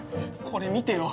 これ見てよ！